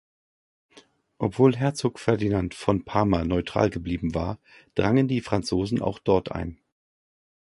Obwohl Herzog Ferdinand von Parma neutral geblieben war, drangen die Franzosen auch dort ein.